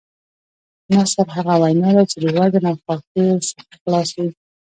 نثر هغه وینا ده، چي د وزن او قافيې څخه خلاصه وي.